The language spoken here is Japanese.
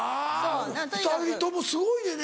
２人ともすごいねんね。